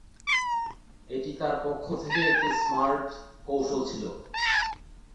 এটি তাঁর পক্ষ থেকে একটি স্মার্ট কৌশল ছিল।